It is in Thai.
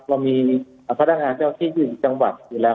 เรามีพระร่างงานเจ้าที่อยู่ในจังหวัดอยู่แล้ว